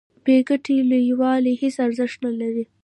بې ګټې لویوالي هیڅ ارزښت نلري.